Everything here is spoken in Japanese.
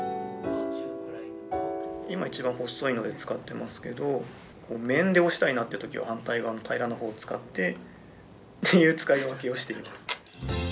今一番細いので使ってますけど面で押したいなって時は反対側の平らな方を使ってっていう使い分けをしています。